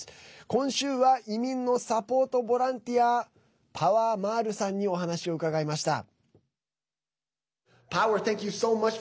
今週は、移民のサポートボランティアパワー・マールさんにお話を伺いました。